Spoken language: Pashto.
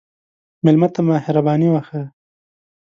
مېلمه ته مهرباني وښیه.